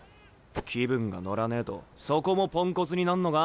気分が乗らねえとそこもポンコツになんのか？